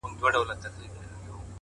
پرمختګ د عادتونو له بدلون پیلېږي،